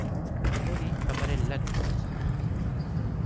Hori amaren lana izan zen.